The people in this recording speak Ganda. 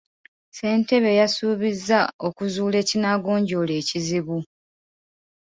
Ssentebe yasuubizza okuzuula ekinaagonjoola ekizibu.